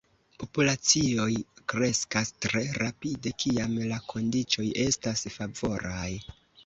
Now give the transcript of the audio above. Populacioj kreskas tre rapide kiam la kondiĉoj estas favoraj.